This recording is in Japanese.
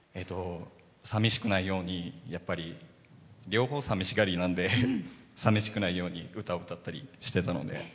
さみしくないように両方、さみしがりなんでさみしくないように歌を歌ったりしてたので。